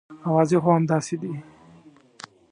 اوازې خو همداسې دي.